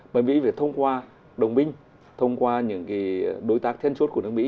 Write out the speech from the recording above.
mà mỹ phải thông qua đồng minh thông qua những đối tác thiên suốt của nước mỹ